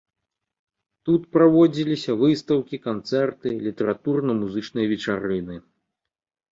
Тут праводзіліся выстаўкі, канцэрты, літаратурна-музычныя вечарыны.